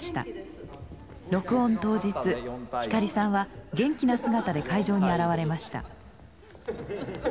録音当日光さんは元気な姿で会場に現れました。